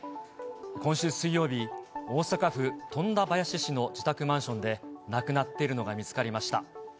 今週水曜日、大阪府富田林市の自宅マンションで亡くなっているのが見つかりました。